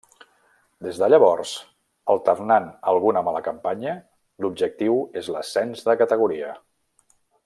Des de llavors, alternant alguna mala campanya, l'objectiu és l'ascens de categoria.